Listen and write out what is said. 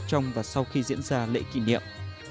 trong và sau khi diễn ra lễ kỷ niệm